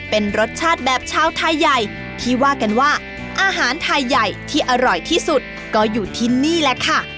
เป็นรสชาติแบบชาวไทยใหญ่ที่ว่ากันว่าอาหารไทยใหญ่ที่อร่อยที่สุดก็อยู่ที่นี่แหละค่ะ